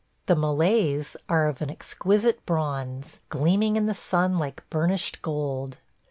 The Malays are of an exquisite bronze, gleaming in the sun like burnished gold.